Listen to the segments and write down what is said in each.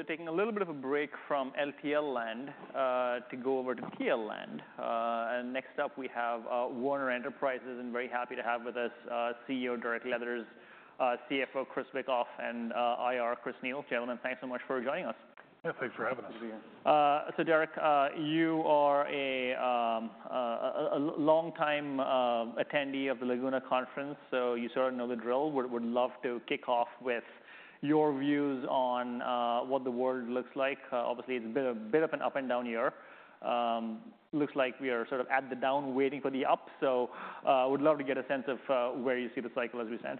So taking a little bit of a break from LTL land, to go over to TL land. And next up, we have, Werner Enterprises, and very happy to have with us, CEO, Derek Leathers, CFO, Chris Wikoff, and, IR, Chris Neal. Gentlemen, thanks so much for joining us. Yeah, thanks for having us. Good to be here. So Derek, you are a long time attendee of the Laguna Conference, so you sort of know the drill. Would love to kick off with your views on what the world looks like. Obviously, it's been a bit of an up and down year. Looks like we are sort of at the down, waiting for the up, so would love to get a sense of where you see the cycle as we stand.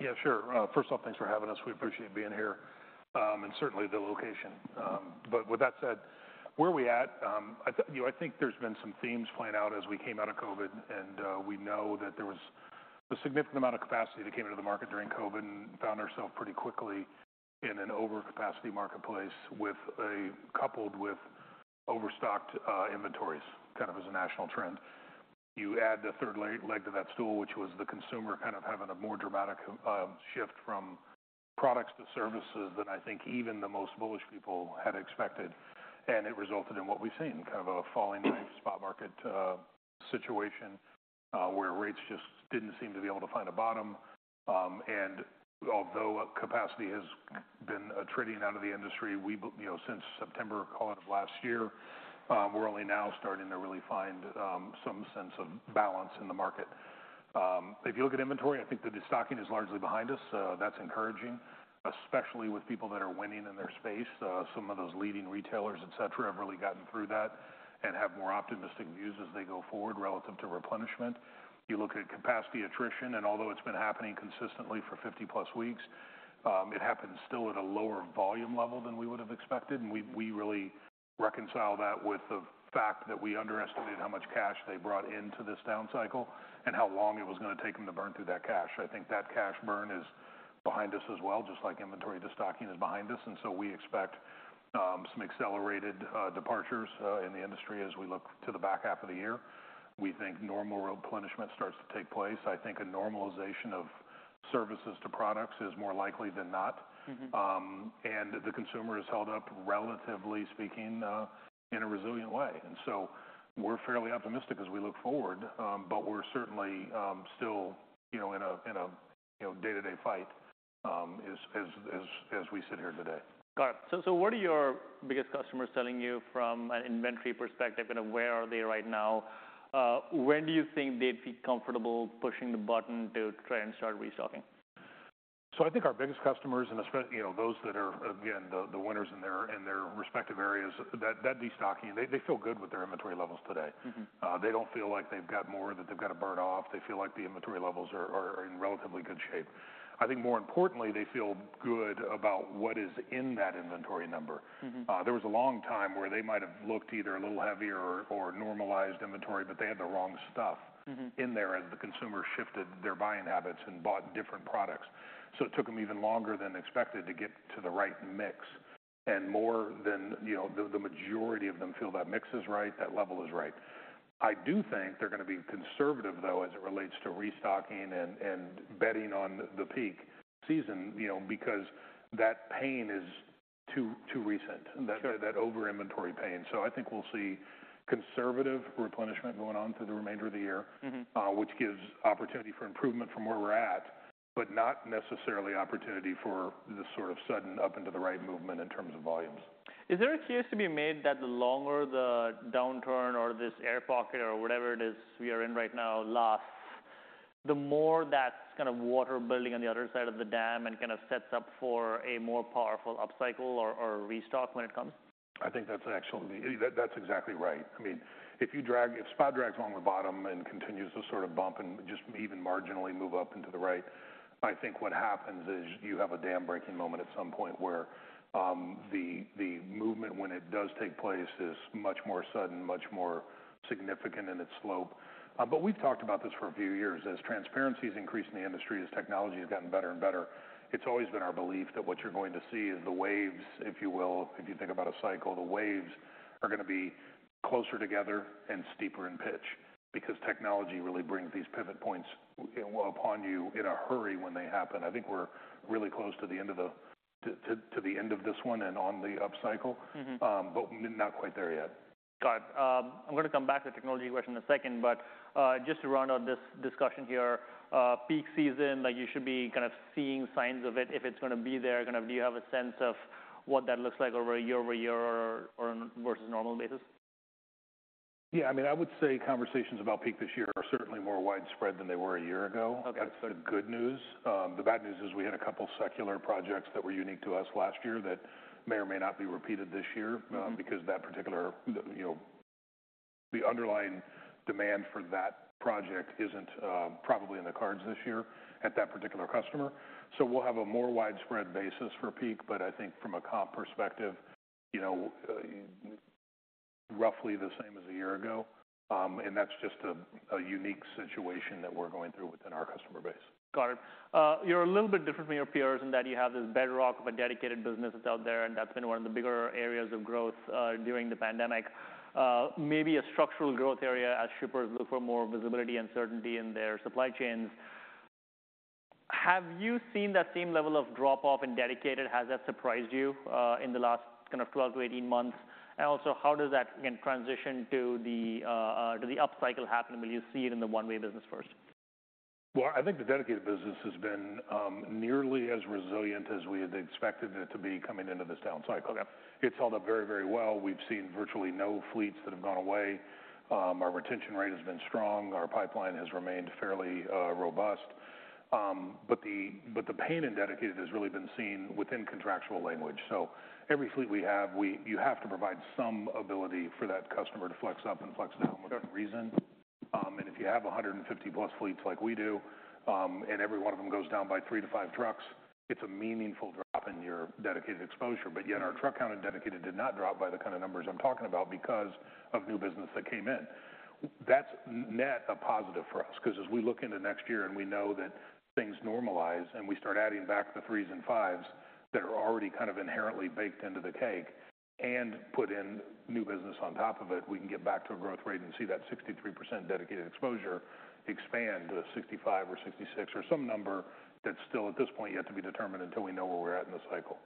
Yeah, sure. First off, thanks for having us. We appreciate being here, and certainly the location. But with that said, where are we at? You know, I think there's been some themes playing out as we came out of COVID, and we know that there was a significant amount of capacity that came into the market during COVID, and found ourselves pretty quickly in an overcapacity marketplace with a... coupled with overstocked inventories, kind of as a national trend. You add the third leg to that stool, which was the consumer kind of having a more dramatic shift from products to services than I think even the most bullish people had expected, and it resulted in what we've seen, kind of a falling knife spot market situation, where rates just didn't seem to be able to find a bottom. And although capacity has been trading out of the industry, we, you know, since September, call it, of last year, we're only now starting to really find some sense of balance in the market. If you look at inventory, I think the de-stocking is largely behind us, that's encouraging, especially with people that are winning in their space. Some of those leading retailers, et cetera, have really gotten through that and have more optimistic views as they go forward relative to replenishment. If you look at capacity attrition, and although it's been happening consistently for 50-plus weeks, it happens still at a lower volume level than we would have expected, and we really reconcile that with the fact that we underestimated how much cash they brought into this down cycle and how long it was gonna take them to burn through that cash. I think that cash burn is behind us as well, just like inventory, the stocking is behind us, and so we expect some accelerated departures in the industry as we look to the back half of the year. We think normal replenishment starts to take place. I think a normalization of services to products is more likely than not. Mm-hmm. And the consumer has held up, relatively speaking, in a resilient way. And so we're fairly optimistic as we look forward, but we're certainly still, you know, in a day-to-day fight, as we sit here today. Got it. So, what are your biggest customers telling you from an inventory perspective, and where are they right now? When do you think they'd be comfortable pushing the button to try and start restocking? So I think our biggest customers, and you know, those that are, again, the winners in their respective areas, that de-stocking, they feel good with their inventory levels today. Mm-hmm. They don't feel like they've got more that they've got to burn off. They feel like the inventory levels are in relatively good shape. I think more importantly, they feel good about what is in that inventory number. Mm-hmm. There was a long time where they might have looked either a little heavier or normalized inventory, but they had the wrong stuff- Mm-hmm in there, and the consumer shifted their buying habits and bought different products. So it took them even longer than expected to get to the right mix, and more than, you know, the majority of them feel that mix is right, that level is right. I do think they're gonna be conservative, though, as it relates to restocking and betting on the peak season, you know, because that pain is too recent- Sure... that over-inventory pain. So I think we'll see conservative replenishment going on through the remainder of the year- Mm-hmm which gives opportunity for improvement from where we're at, but not necessarily opportunity for the sort of sudden up and to the right movement in terms of volumes. Is there a case to be made that the longer the downturn or this air pocket or whatever it is we are in right now lasts, the more that's kind of water building on the other side of the dam and kind of sets up for a more powerful upcycle or, or restock when it comes? I think that's excellent. That's exactly right. I mean, if spot drags along the bottom and continues to sort of bump and just even marginally move up into the right, I think what happens is you have a dam-breaking moment at some point where the movement, when it does take place, is much more sudden, much more significant in its slope. But we've talked about this for a few years. As transparency has increased in the industry, as technology has gotten better and better, it's always been our belief that what you're going to see is the waves, if you will, if you think about a cycle, the waves are gonna be closer together and steeper in pitch because technology really brings these pivot points upon you in a hurry when they happen. I think we're really close to the end of this one and on the upcycle- Mm-hmm but not quite there yet. Got it. I'm gonna come back to the technology question in a second, but, just to round out this discussion here, peak season, like, you should be kind of seeing signs of it. If it's gonna be there, kind of, do you have a sense of what that looks like over a year-over-year or, or versus normal basis? Yeah, I mean, I would say conversations about peak this year are certainly more widespread than they were a year ago. Okay. That's the good news. The bad news is we had a couple secular projects that were unique to us last year that may or may not be repeated this year- Mm-hmm Because that particular, you know, the underlying demand for that project isn't probably in the cards this year at that particular customer. So we'll have a more widespread basis for peak, but I think from a comp perspective, you know, roughly the same as a year ago, and that's just a unique situation that we're going through within our customer base. Got it. You're a little bit different from your peers in that you have this bedrock of a dedicated business that's out there, and that's been one of the bigger areas of growth during the pandemic. Maybe a structural growth area as shippers look for more visibility and certainty in their supply chains.... Have you seen that same level of drop-off in dedicated? Has that surprised you in the last kind of 12-18 months? And also, how does that, again, transition to the, do the up cycle happen, will you see it in the one-way business first? Well, I think the dedicated business has been nearly as resilient as we had expected it to be coming into this down cycle. Okay. It's held up very, very well. We've seen virtually no fleets that have gone away. Our retention rate has been strong, our pipeline has remained fairly robust. But the pain in dedicated has really been seen within contractual language. So every fleet we have, we- you have to provide some ability for that customer to flex up and flex down- Okay -for a reason. And if you have 150+ fleets like we do, and every one of them goes down by 3-5 trucks, it's a meaningful drop in your dedicated exposure. But yet our truck count in dedicated did not drop by the kind of numbers I'm talking about because of new business that came in. That's net a positive for us, 'cause as we look into next year and we know that things normalize, and we start adding back the 3s and 5s that are already kind of inherently baked into the cake, and put in new business on top of it, we can get back to a growth rate and see that 63% dedicated exposure expand to 65% or 66% or some number that's still, at this point, yet to be determined until we know where we're at in the cycle.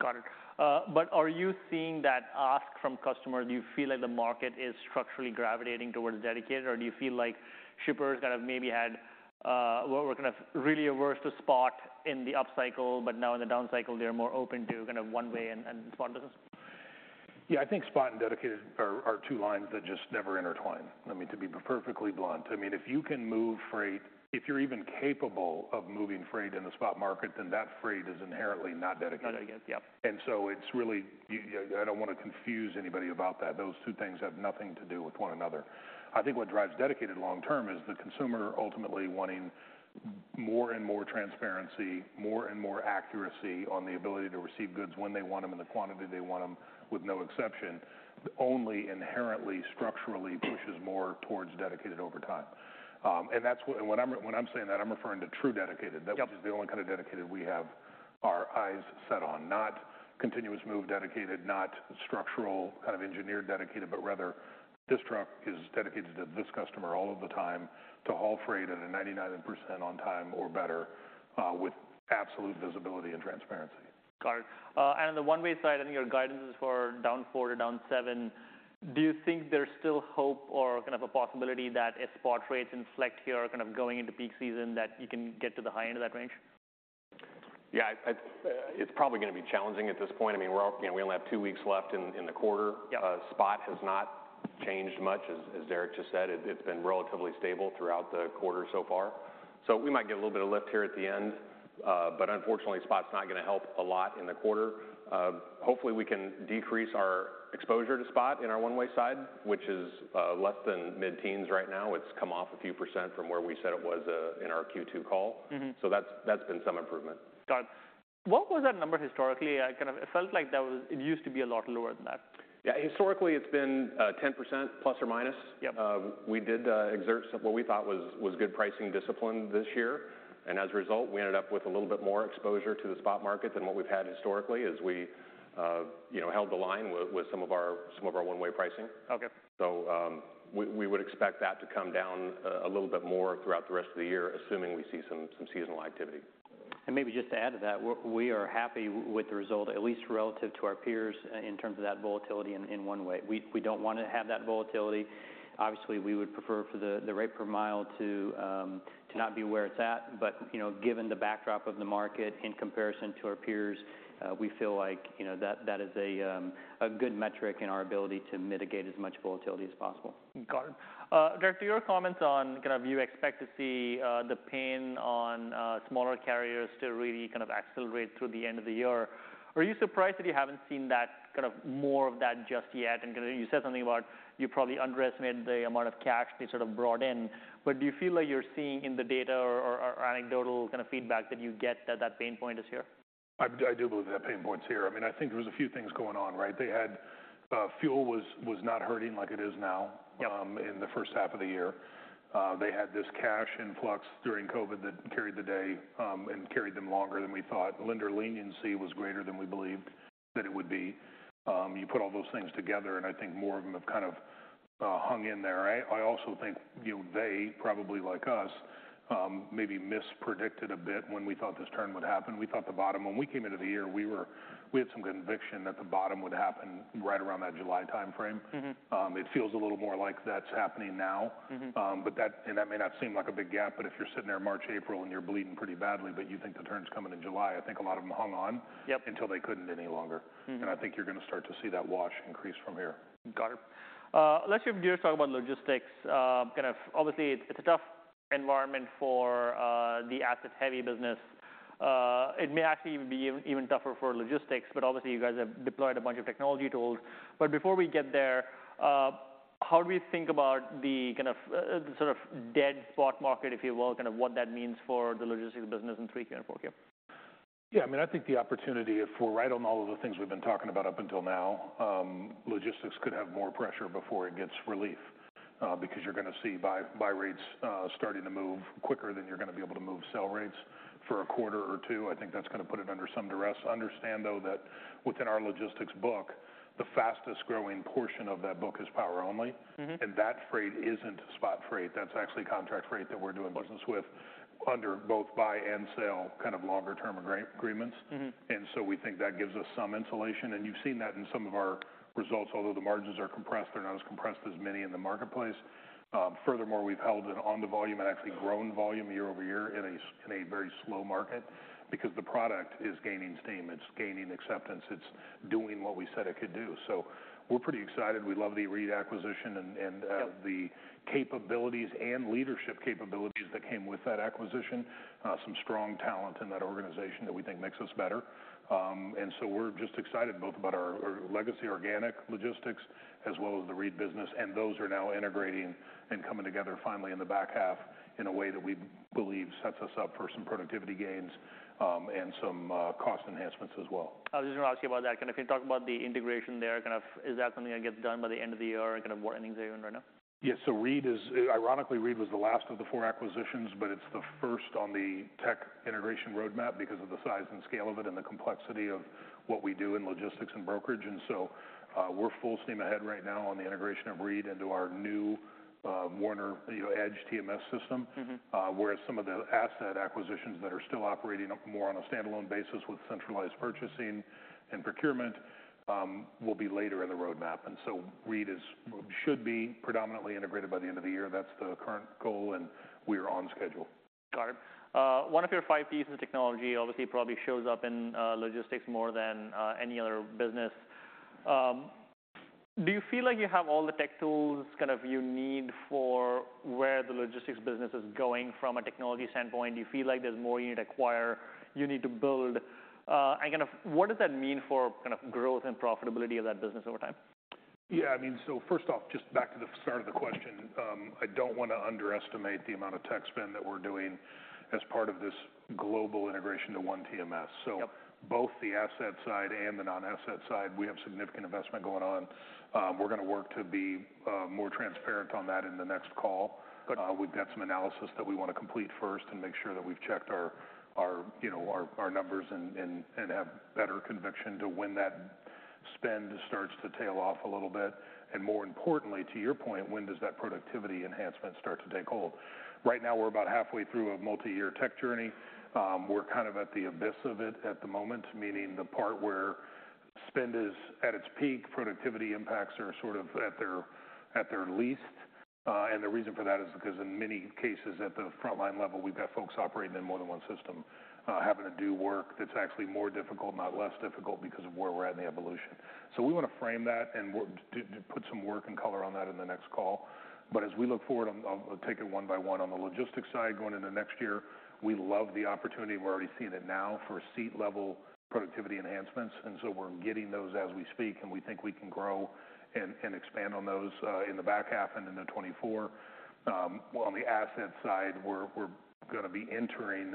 Got it. But are you seeing that ask from customers? Do you feel like the market is structurally gravitating towards dedicated? Or do you feel like shippers kind of maybe had what were kind of really averse to spot in the upcycle, but now in the down cycle, they're more open to kind of one-way and spot business? Yeah, I think spot and dedicated are two lines that just never intertwine. I mean, to be perfectly blunt, I mean, if you can move freight, if you're even capable of moving freight in the spot market, then that freight is inherently not dedicated. Not dedicated, yep. And so it's really, I don't want to confuse anybody about that. Those two things have nothing to do with one another. I think what drives dedicated long term is the consumer ultimately wanting more and more transparency, more and more accuracy on the ability to receive goods when they want them, in the quantity they want them, with no exception, only inherently, structurally pushes more towards dedicated over time. And that's what... And when I'm saying that, I'm referring to true dedicated. Yep. That is the only kind of dedicated we have our eyes set on. Not continuous move dedicated, not structural, kind of engineered, dedicated, but rather, this truck is dedicated to this customer all of the time to haul freight at a 99% on time or better, with absolute visibility and transparency. Got it. And on the one-way side, I think your guidance is for down 4%-7%. Do you think there's still hope or kind of a possibility that if spot rates and select here are kind of going into peak season, that you can get to the high end of that range? Yeah, it's probably going to be challenging at this point. I mean, we're all, you know, we only have two weeks left in the quarter. Yeah. Spot has not changed much as Derek just said, it's been relatively stable throughout the quarter so far. So we might get a little bit of lift here at the end, but unfortunately, spot's not going to help a lot in the quarter. Hopefully, we can decrease our exposure to spot in our one-way side, which is less than mid-teens right now. It's come off a few percent from where we said it was in our Q2 call. Mm-hmm. So that's been some improvement. Got it. What was that number historically? I kind of, it felt like that was, it used to be a lot lower than that. Yeah. Historically, it's been 10% ±. Yep. We did exert what we thought was good pricing discipline this year, and as a result, we ended up with a little bit more exposure to the spot market than what we've had historically as we, you know, held the line with some of our one-way pricing. Okay. We would expect that to come down a little bit more throughout the rest of the year, assuming we see some seasonal activity. Maybe just to add to that, we are happy with the result, at least relative to our peers, in terms of that volatility in one way. We don't want to have that volatility. Obviously, we would prefer for the rate per mile to not be where it's at, but you know, given the backdrop of the market in comparison to our peers, we feel like you know, that is a good metric in our ability to mitigate as much volatility as possible. Got it. Derek, to your comments on kind of you expect to see the pain on smaller carriers to really kind of accelerate through the end of the year. Are you surprised that you haven't seen that kind of more of that just yet? You know, you said something about you probably underestimated the amount of cash they sort of brought in. But do you feel like you're seeing in the data or anecdotal kind of feedback that you get that that pain point is here? I do, I do believe that pain point is here. I mean, I think there was a few things going on, right? They had, fuel was not hurting like it is now... Yep... in the first half of the year. They had this cash influx during COVID that carried the day, and carried them longer than we thought. Lender leniency was greater than we believed that it would be. You put all those things together, and I think more of them have kind of hung in there. I also think, you know, they probably like us maybe mispredicted a bit when we thought this turn would happen. We thought the bottom, when we came into the year, we had some conviction that the bottom would happen right around that July time frame. Mm-hmm. It feels a little more like that's happening now. Mm-hmm. But that, and that may not seem like a big gap, but if you're sitting there March, April, and you're bleeding pretty badly, but you think the turn's coming in July, I think a lot of them hung on- Yep... until they couldn't any longer. Mm-hmm. I think you're going to start to see that wash increase from here. Got it. Let's just talk about logistics. Kind of, obviously, it's a tough environment for the asset-heavy business. It may actually even be tougher for logistics, but obviously, you guys have deployed a bunch of technology tools. But before we get there, how do we think about the kind of, the sort of dead spot market, if you will, kind of what that means for the logistics business in 3Q and 4Q? Yeah, I mean, I think the opportunity, if we're right on all of the things we've been talking about up until now, logistics could have more pressure before it gets relief, because you're going to see buy, buy rates starting to move quicker than you're going to be able to move sell rates for a quarter or two. I think that's going to put it under some duress. Understand, though, that within our logistics book, the fastest growing portion of that book is power only. Mm-hmm. That freight isn't spot freight, that's actually contract freight that we're doing business with under both buy and sell, kind of, longer term agreements. Mm-hmm. And so we think that gives us some insulation, and you've seen that in some of our results. Although the margins are compressed, they're not as compressed as many in the marketplace. Furthermore, we've held in on the volume and actually grown volume year-over-year in a very slow market because the product is gaining steam, it's gaining acceptance, it's doing what we said it could do. So we're pretty excited. We love the Reed acquisition and, Yep... the capabilities and leadership capabilities that came with that acquisition. Some strong talent in that organization that we think makes us better. So we're just excited both about our, our legacy, organic logistics, as well as the Reed business, and those are now integrating and coming together finally in the back half, in a way that we believe sets us up for some productivity gains, and some cost enhancements as well. I was just going to ask you about that. Can you talk about the integration there? Kind of, is that something that gets done by the end of the year, or kind of what stage are you in right now? Yes. So Reed is ironically the last of the four acquisitions, but it's the first on the tech integration roadmap because of the size and scale of it and the complexity of what we do in logistics and brokerage. And so, we're full steam ahead right now on the integration of Reed into our new Werner, you know, EDGE TMS system. Mm-hmm. Whereas some of the asset acquisitions that are still operating up more on a standalone basis with centralized purchasing and procurement will be later in the roadmap. And so Reed should be predominantly integrated by the end of the year. That's the current goal, and we are on schedule. Got it. One of your five pieces of technology obviously, probably shows up in logistics more than any other business. Do you feel like you have all the tech tools, kind of, you need for where the logistics business is going from a technology standpoint? Do you feel like there's more you need to acquire, you need to build? And kind of, what does that mean for, kind of, growth and profitability of that business over time? Yeah, I mean, so first off, just back to the start of the question, I don't want to underestimate the amount of tech spend that we're doing as part of this global integration to one TMS. Yep. So both the asset side and the non-asset side, we have significant investment going on. We're going to work to be more transparent on that in the next call, but we've got some analysis that we want to complete first and make sure that we've checked our, you know, our numbers and have better conviction to when that spend starts to tail off a little bit. And more importantly, to your point, when does that productivity enhancement start to take hold? Right now, we're about halfway through a multi-year tech journey. We're kind of at the abyss of it at the moment, meaning the part where spend is at its peak, productivity impacts are sort of at their least. And the reason for that is because in many cases, at the frontline level, we've got folks operating in more than one system, having to do work that's actually more difficult, not less difficult, because of where we're at in the evolution. So we want to frame that, and we're to, to put some work and color on that in the next call. But as we look forward, I'll take it one by one. On the logistics side, going into next year, we love the opportunity. We're already seeing it now for seat level productivity enhancements, and so we're getting those as we speak, and we think we can grow and, and expand on those, in the back half and into 2024. On the asset side, we're going to be entering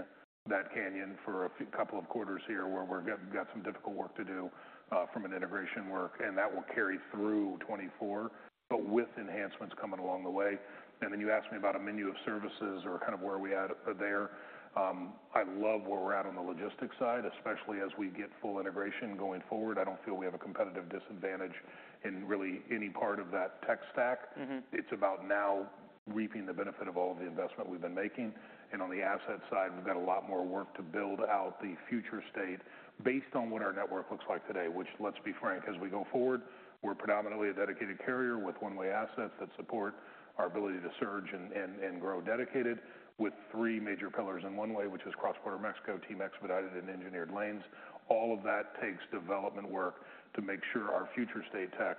that canyon for a few couple of quarters here, where we've got some difficult work to do from an integration work, and that will carry through 2024, but with enhancements coming along the way. Then you asked me about a menu of services or kind of where we at there. I love where we're at on the logistics side, especially as we get full integration going forward. I don't feel we have a competitive disadvantage in really any part of that tech stack. Mm-hmm. It's about now reaping the benefit of all of the investment we've been making. And on the asset side, we've got a lot more work to build out the future state based on what our network looks like today, which, let's be frank, as we go forward, we're predominantly a dedicated carrier with one-way assets that support our ability to surge and grow dedicated with three major pillars in one-way, which is cross-border Mexico, team expedited, and engineered lanes. All of that takes development work to make sure our future state tech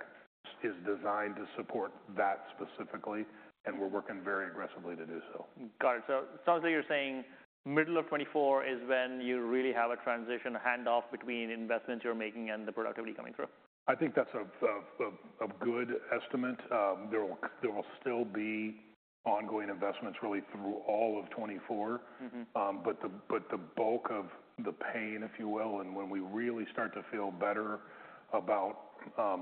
is designed to support that specifically, and we're working very aggressively to do so. Got it. So sounds like you're saying middle of 2024 is when you really have a transition, a handoff between investments you're making and the productivity coming through? I think that's a good estimate. There will still be ongoing investments really through all of 2024. Mm-hmm. But the bulk of the pain, if you will, and when we really start to feel better about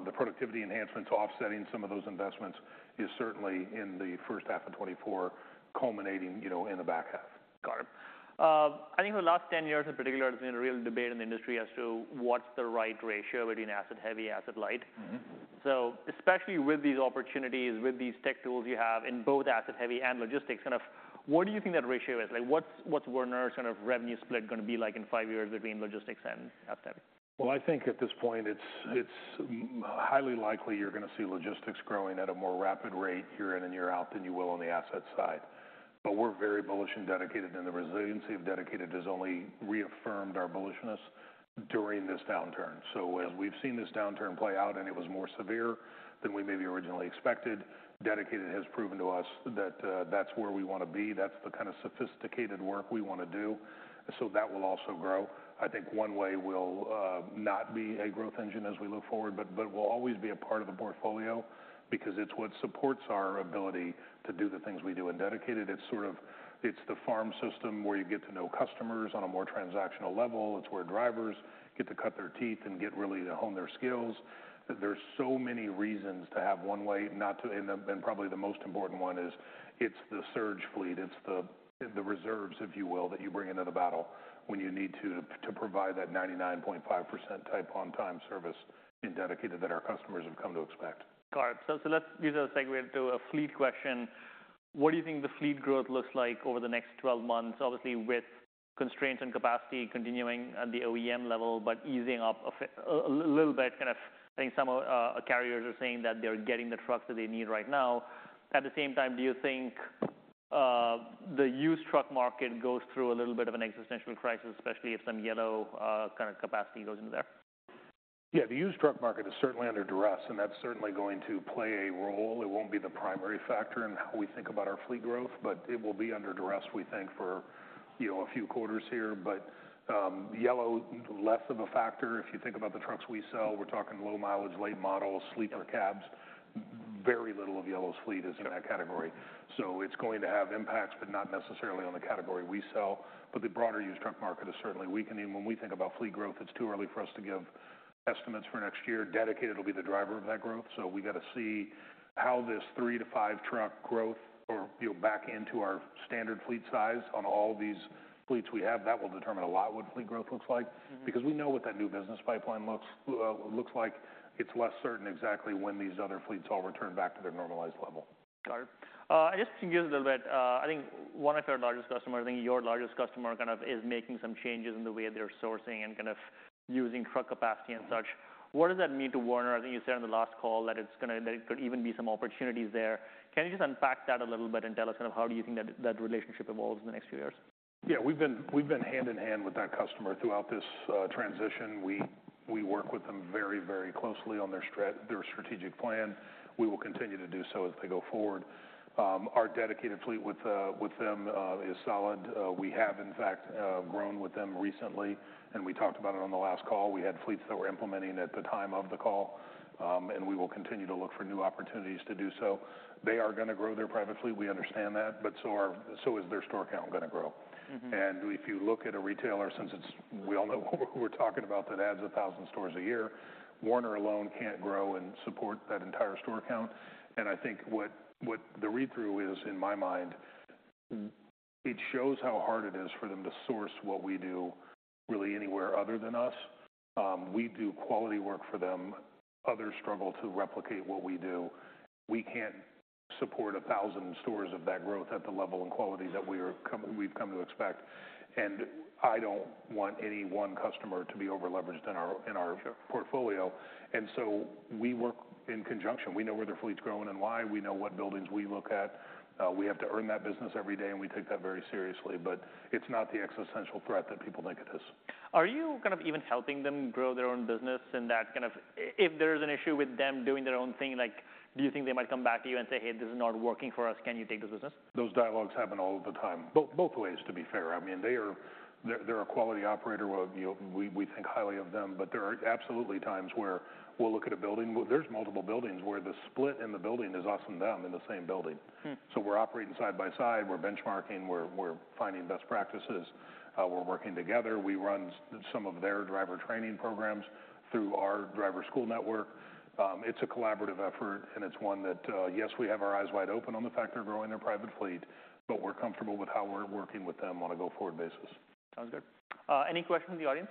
the productivity enhancements offsetting some of those investments, is certainly in the first half of 2024, culminating, you know, in the back half. Got it. I think the last 10 years in particular, there's been a real debate in the industry as to what's the right ratio between asset heavy, asset light. Mm-hmm. So especially with these opportunities, with these tech tools you have in both asset heavy and logistics, kind of, where do you think that ratio is? Like, what's, what's Werner's kind of revenue split going to be like in five years between logistics and asset? Well, I think at this point, it's highly likely you're going to see logistics growing at a more rapid rate year in and year out than you will on the asset side. But we're very bullish on dedicated, and the resiliency of Dedicated has only reaffirmed our bullishness during this downturn. So as we've seen this downturn play out, and it was more severe than we maybe originally expected, Dedicated has proven to us that that's where we want to be. That's the kind of sophisticated work we want to do, so that will also grow. I think one-way will not be a growth engine as we look forward, but will always be a part of the portfolio because it's what supports our ability to do the things we do in Dedicated. It's sort of, it's the farm system where you get to know customers on a more transactional level. It's where drivers get to cut their teeth and get really to hone their skills. There's so many reasons to have one way. And probably the most important one is. It's the surge fleet, it's the reserves, if you will, that you bring into the battle when you need to provide that 99.5% type on-time service in dedicated that our customers have come to expect. Got it. So let's use a segue to a fleet question. What do you think the fleet growth looks like over the next 12 months? Obviously, with constraints and capacity continuing at the OEM level, but easing up a little bit. Kind of, I think some carriers are saying that they're getting the trucks that they need right now. At the same time, do you think the used truck market goes through a little bit of an existential crisis, especially if some Yellow capacity goes into there? Yeah, the used truck market is certainly under duress, and that's certainly going to play a role. It won't be the primary factor in how we think about our fleet growth, but it will be under duress, we think, for, you know, a few quarters here. But, Yellow, less of a factor. If you think about the trucks we sell, we're talking low mileage, late models, sleeper cabs. Very little of Yellow's fleet is in that category. So it's going to have impacts, but not necessarily on the category we sell. But the broader used truck market is certainly weakening. When we think about fleet growth, it's too early for us to give estimates for next year. Dedicated will be the driver of that growth, so we got to see how this 3-5 truck growth or, you know, back into our standard fleet size on all these fleets we have. That will determine a lot what fleet growth looks like. Mm-hmm. Because we know what that new business pipeline looks, looks like. It's less certain exactly when these other fleets all return back to their normalized level. Got it. Just to give a little bit, I think one of our largest customers, I think your largest customer, kind of is making some changes in the way they're sourcing and kind of using truck capacity and such. Mm-hmm. What does that mean to Werner? I think you said on the last call that it's going to... That it could even be some opportunities there. Can you just unpack that a little bit and tell us kind of how do you think that, that relationship evolves in the next few years? Yeah, we've been hand in hand with that customer throughout this transition. We work with them very, very closely on their strategic plan. We will continue to do so as they go forward. Our dedicated fleet with them is solid. We have in fact grown with them recently, and we talked about it on the last call. We had fleets that we're implementing at the time of the call, and we will continue to look for new opportunities to do so. They are going to grow their private fleet, we understand that, but so is their store count going to grow. Mm-hmm. And if you look at a retailer, since it's, we all know what we're talking about, that adds 1,000 stores a year, Werner alone can't grow and support that entire store count. And I think what the read-through is, in my mind, it shows how hard it is for them to source what we do really anywhere other than us. We do quality work for them. Others struggle to replicate what we do. We can't support 1,000 stores of that growth at the level and quality that we've come to expect, and I don't want any one customer to be over leveraged in our portfolio, and so we work in conjunction. We know where their fleet's growing and why. We know what buildings we look at. We have to earn that business every day, and we take that very seriously, but it's not the existential threat that people think it is. Are you kind of even helping them grow their own business in that kind of... If, if there's an issue with them doing their own thing, like, do you think they might come back to you and say, "Hey, this is not working for us. Can you take this business? Those dialogues happen all the time, both ways, to be fair. I mean, they are... They're a quality operator. Well, you know, we think highly of them, but there are absolutely times where we'll look at a building. Well, there's multiple buildings where the split in the building is us and them in the same building. Hmm. So we're operating side by side, we're benchmarking, we're finding best practices, we're working together. We run some of their driver training programs through our driver school network. It's a collaborative effort, and it's one that, yes, we have our eyes wide open on the fact they're growing their private fleet, but we're comfortable with how we're working with them on a go-forward basis. Sounds good. Any question from the audience?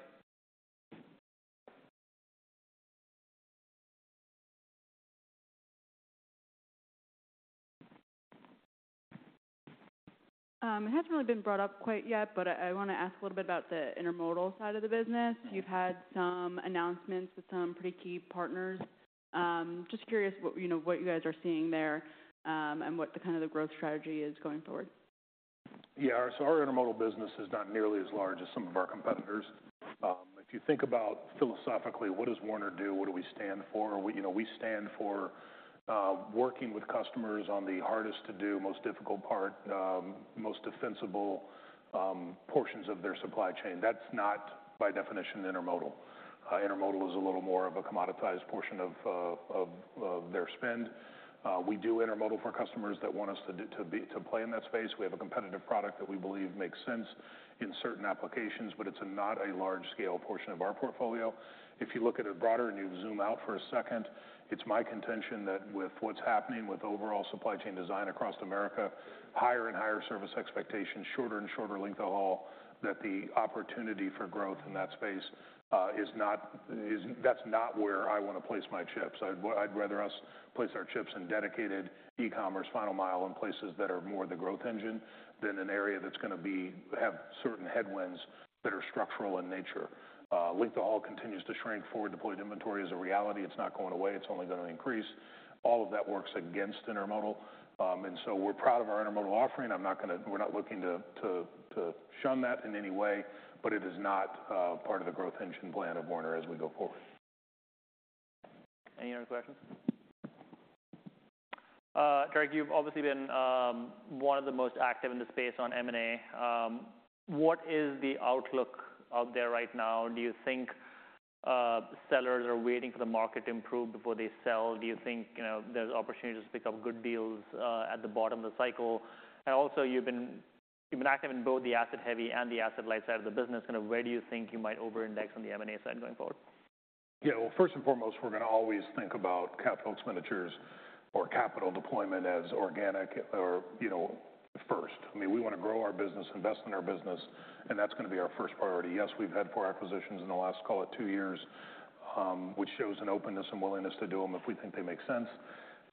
It hasn't really been brought up quite yet, but I want to ask a little bit about the intermodal side of the business. Yeah. You've had some announcements with some pretty key partners. Just curious what, you know, what you guys are seeing there, and what the kind of the growth strategy is going forward. Yeah, so our intermodal business is not nearly as large as some of our competitors. If you think about philosophically, what does Werner do? What do we stand for? We, you know, we stand for working with customers on the hardest to do, most difficult part, most defensible portions of their supply chain. That's not, by definition, intermodal. Intermodal is a little more of a commoditized portion of their spend. We do intermodal for customers that want us to do to be, to play in that space. We have a competitive product that we believe makes sense in certain applications, but it's not a large-scale portion of our portfolio. If you look at it broader and you zoom out for a second, it's my contention that with what's happening with overall supply chain design across America, higher and higher service expectations, shorter and shorter length of haul, that the opportunity for growth in that space is not. That's not where I want to place my chips. I'd rather us place our chips in dedicated e-commerce, final mile, and places that are more the growth engine than an area that's going to have certain headwinds that are structural in nature. Length of haul continues to shrink. Forward-deployed inventory is a reality. It's not going away, it's only going to increase. All of that works against intermodal. And so we're proud of our intermodal offering. I'm not going to, we're not looking to shun that in any way, but it is not part of the growth engine plan of Werner as we go forward. Any other questions? Derek, you've obviously been one of the most active in the space on M&A. What is the outlook out there right now? Do you think sellers are waiting for the market to improve before they sell? Do you think, you know, there's opportunities to pick up good deals at the bottom of the cycle? And also, you've been, you've been active in both the asset-heavy and the asset-light side of the business. Kind of, where do you think you might overindex on the M&A side going forward?... Yeah, well, first and foremost, we're going to always think about capital expenditures or capital deployment as organic or, you know, first. I mean, we want to grow our business, invest in our business, and that's going to be our first priority. Yes, we've had four acquisitions in the last, call it two years, which shows an openness and willingness to do them if we think they make sense.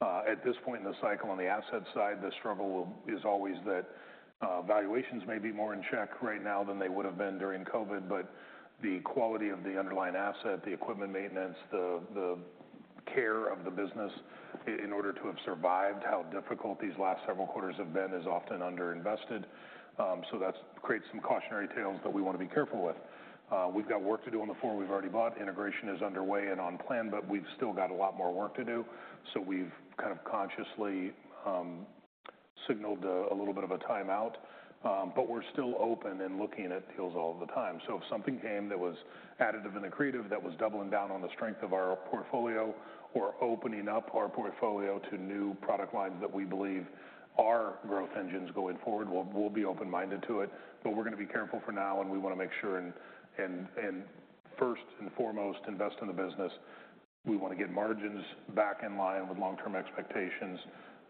At this point in the cycle, on the asset side, the struggle is always that valuations may be more in check right now than they would have been during COVID, but the quality of the underlying asset, the equipment maintenance, the care of the business in order to have survived how difficult these last several quarters have been, is often underinvested. So that creates some cautionary tales that we want to be careful with. We've got work to do on the four we've already bought. Integration is underway and on plan, but we've still got a lot more work to do, so we've kind of consciously signaled a little bit of a timeout, but we're still open and looking at deals all the time. So if something came that was additive and accretive, that was doubling down on the strength of our portfolio or opening up our portfolio to new product lines that we believe are growth engines going forward, we'll be open-minded to it. But we're going to be careful for now, and we want to make sure and first and foremost, invest in the business. We want to get margins back in line with long-term expectations,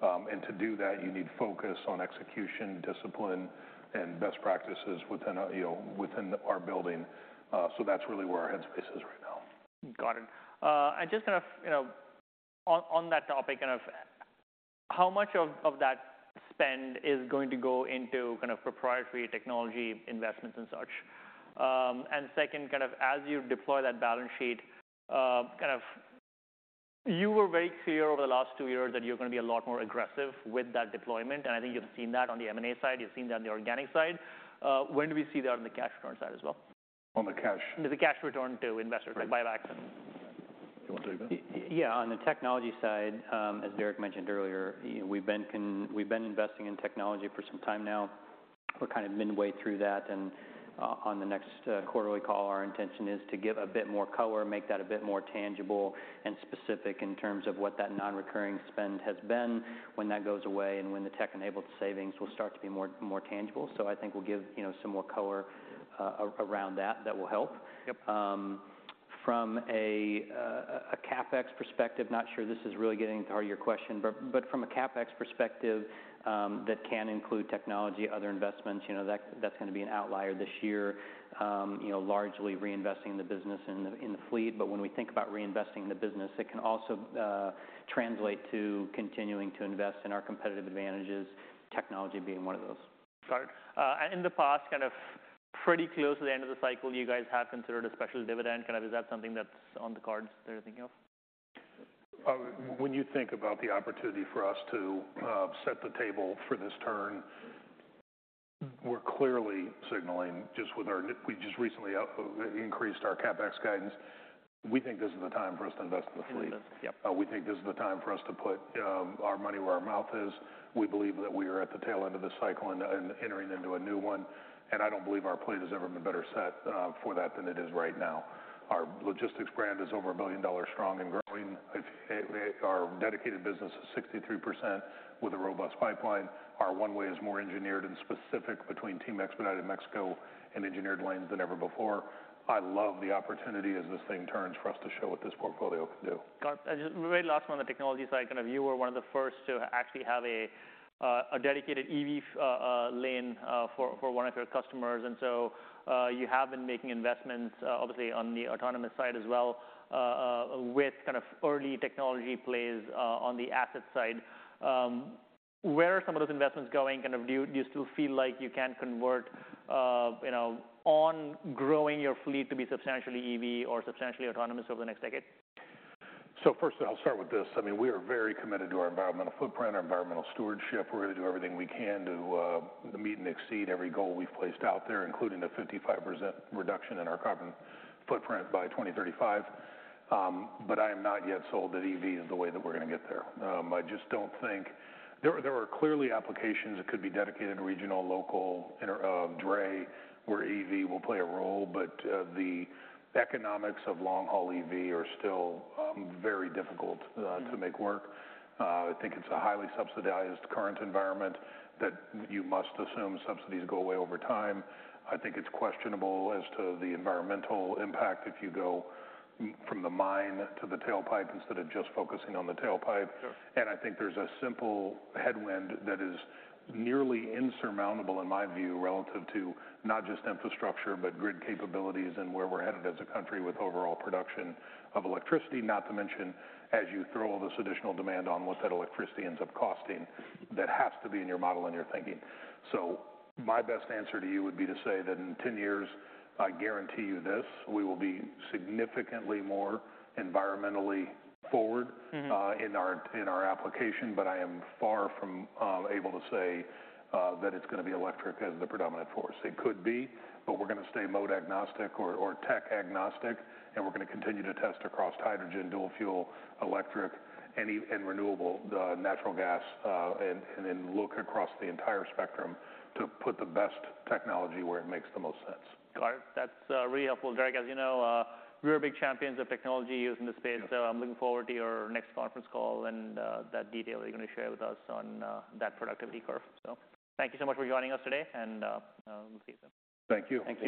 and to do that, you need focus on execution, discipline, and best practices within, you know, within our building. So that's really where our headspace is right now. Got it. And just kind of, you know, on that topic, kind of how much of that spend is going to go into kind of proprietary technology investments and such? And second, kind of as you deploy that balance sheet, you were very clear over the last two years that you're going to be a lot more aggressive with that deployment, and I think you've seen that on the M&A side, you've seen that on the organic side. When do we see that on the cash return side as well? On the cash? The cash return to investors, like buybacks. You want to take that? Yeah. On the technology side, as Derek mentioned earlier, we've been investing in technology for some time now. We're kind of midway through that, and on the next quarterly call, our intention is to give a bit more color, make that a bit more tangible and specific in terms of what that non-recurring spend has been, when that goes away, and when the tech-enabled savings will start to be more tangible. So I think we'll give, you know, some more color around that. That will help. Yep. From a CapEx perspective, not sure this is really getting to the heart of your question, but from a CapEx perspective, that can include technology, other investments, you know, that's going to be an outlier this year. You know, largely reinvesting in the business in the fleet, but when we think about reinvesting in the business, it can also translate to continuing to invest in our competitive advantages, technology being one of those. Got it. In the past, kind of pretty close to the end of the cycle, you guys have considered a special dividend. Kind of, is that something that's on the cards that you're thinking of? When you think about the opportunity for us to set the table for this turn, we're clearly signaling just with our—we just recently increased our CapEx guidance. We think this is the time for us to invest in the fleet. Yep. We think this is the time for us to put our money where our mouth is. We believe that we are at the tail end of this cycle and, and entering into a new one, and I don't believe our plate has ever been better set for that than it is right now. Our logistics brand is over $1 billion strong and growing. If our dedicated business is 63% with a robust pipeline, our one way is more engineered and specific between Team Expedited, Mexico and engineered lanes than ever before. I love the opportunity as this thing turns for us to show what this portfolio can do. Got it. And just very last one on the technology side, kind of you were one of the first to actually have a dedicated EV lane for one of your customers, and so you have been making investments obviously on the autonomous side as well with kind of early technology plays on the asset side. Where are some of those investments going? Kind of do you still feel like you can convert you know on growing your fleet to be substantially EV or substantially autonomous over the next decade? So first of all, I'll start with this. I mean, we are very committed to our environmental footprint, our environmental stewardship. We're going to do everything we can to meet and exceed every goal we've placed out there, including the 55% reduction in our carbon footprint by 2035. But I am not yet sold that EV is the way that we're going to get there. I just don't think there are clearly applications that could be dedicated, regional, local, inter, dray, where EV will play a role, but the economics of long-haul EV are still very difficult to make work. I think it's a highly subsidized current environment that you must assume subsidies go away over time. I think it's questionable as to the environmental impact if you go from the mine to the tailpipe instead of just focusing on the tailpipe. Sure. I think there's a simple headwind that is nearly insurmountable in my view, relative to not just infrastructure, but grid capabilities and where we're headed as a country with overall production of electricity. Not to mention, as you throw all this additional demand on, what that electricity ends up costing, that has to be in your model and your thinking. My best answer to you would be to say that in 10 years, I guarantee you this, we will be significantly more environmentally forward- Mm-hmm... in our application, but I am far from able to say that it's going to be electric as the predominant force. It could be, but we're going to stay mode agnostic or tech agnostic, and we're going to continue to test across hydrogen, dual fuel, electric, and renewable natural gas, and then look across the entire spectrum to put the best technology where it makes the most sense. Got it. That's really helpful, Derek. As you know, we are big champions of technology use in this space. Yeah. So I'm looking forward to your next conference call and that detail that you're going to share with us on that productivity curve. So thank you so much for joining us today, and we'll see you soon. Thank you. Thank you.